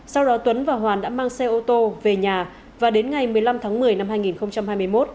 sau đó tuấn và hoàn đã mang xe ô tô về nhà và đến ngày một mươi năm tháng một mươi năm hai nghìn hai mươi một